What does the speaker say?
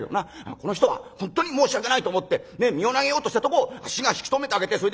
『この人は本当に申し訳ないと思って身を投げようとしたとこをあっしが引き止めてあげてそれで』。